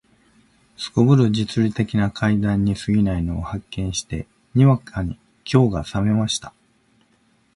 頗る実利的な階段に過ぎないのを発見して、にわかに興が覚めました